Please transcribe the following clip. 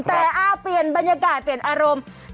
แต่เปลี่ยนบรรยากาศเปลี่ยนอารมณ์